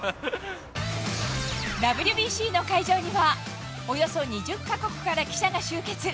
ＷＢＣの会場には、およそ２０か国から記者が集結。